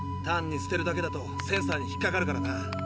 単に捨てるだけだとセンサーに引っかかるからな。